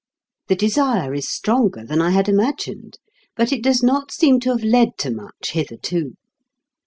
The desire is stronger than I had imagined, but it does not seem to have led to much hitherto.